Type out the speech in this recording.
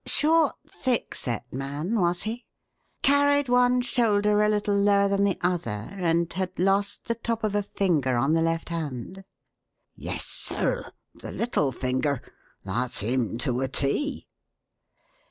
"Short, thick set man was he? Carried one shoulder a little lower than the other, and had lost the top of a finger on the left hand?" "Yes, sir; the little finger. That's him to a T."